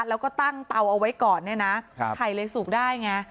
แล้วก็ตั้งเตาเอาไว้ก่อนเนี่ยนะไข่เลยสุกได้ไง